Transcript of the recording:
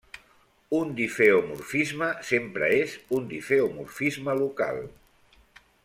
Un difeomorfisme sempre és un difeomorfisme local.